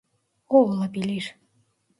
O olabilir.